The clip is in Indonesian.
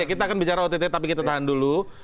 kita akan bicara ott tapi kita tahan dulu